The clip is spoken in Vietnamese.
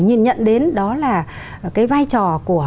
nhìn nhận đến đó là cái vai trò